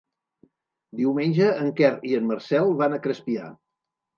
Diumenge en Quer i en Marcel van a Crespià.